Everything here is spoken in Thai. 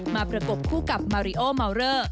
มาประกบคู่กับมาริโอมาวเรอ